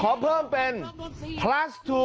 ขอเพิ่มเป็นเท่าประมาณบาท